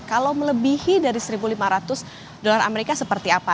kalau melebihi dari satu lima ratus dolar amerika seperti apa